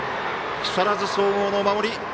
木更津総合の守り。